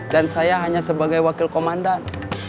saya hanya sebagai wakil komandan